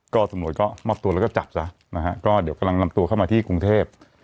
ก็ตำรวจก็มอบตัวแล้วก็จับซะนะฮะก็เดี๋ยวกำลังนำตัวเข้ามาที่กรุงเทพ